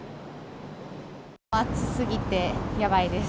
暑すぎてやばいです。